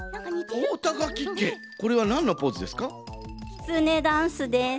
きつねダンスです。